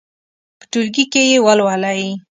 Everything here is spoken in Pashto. په ټولګي کې یې ولولئ.